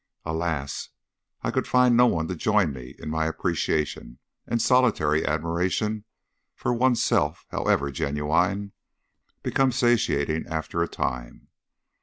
Alas! I could find no one to join me in my appreciation, and solitary admiration for one's self, however genuine, becomes satiating after a time.